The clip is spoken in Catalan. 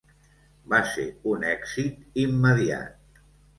Va ser un èxit immediat.